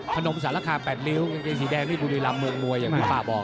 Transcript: ผนมสารคา๘ริ้วในเกรงสีแดงที่ภูริลำเมืองมวยอย่างที่พ่อบอก